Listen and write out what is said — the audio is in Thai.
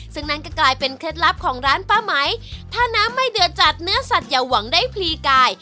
ซึ่งนั่นก็กลายเป็นเคล็ดลับของร้านป้าไหมถ้าน้ำไม่เดือดจัดเนื้อสัตว์อย่าหวังได้พลีกาย